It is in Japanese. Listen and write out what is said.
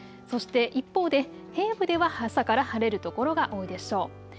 そして一方で平野部では朝から晴れる所が多いでしょう。